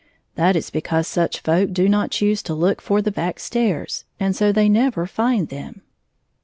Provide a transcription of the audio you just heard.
That is because such folk do not choose to look for the back stairs, and so they never find them.